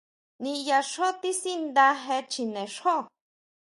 ¿Niyá xjo tisanda je chjine xjo?